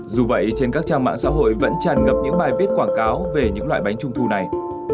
dù vậy trên các trang mạng xã hội vẫn tràn ngập những bài viết quảng cáo về những loại bánh trung thu này